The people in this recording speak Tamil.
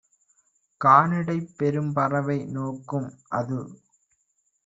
கானிடைப் பெரும்பறவை நோக்கும் - அது